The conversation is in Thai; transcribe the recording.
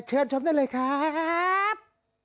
เชิญชมได้เลยครับ